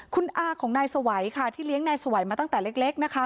คุณอาของนายสวัยค่ะที่เลี้ยงนายสวัยมาตั้งแต่เล็กนะคะ